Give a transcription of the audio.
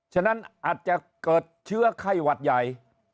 ฉะนั้นอาจจะเกิดเชื้อไข้หวัดใหญ่